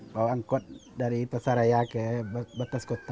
bawa angkot dari pasaraya ke batas kota